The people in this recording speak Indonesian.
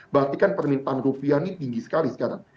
berarti kan permintaan rupiah ini tinggi sekali sekarang